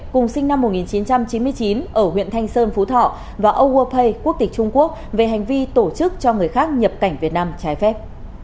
cùng sinh năm một nghìn chín trăm chín mươi chín ở huyện thanh sơn phú thọ và âu urpay quốc tịch trung quốc về hành vi tổ chức cho người khác nhập cảnh việt nam trái phép